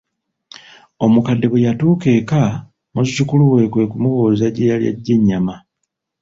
Omukadde bwe yatuuka eka, muzzukulu we kwe kumubuuza gye yali ajje ennyama.